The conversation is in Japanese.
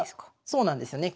そうなんですよね。